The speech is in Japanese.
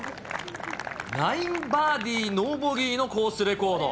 ９バーディーノーボギーのコースレコード。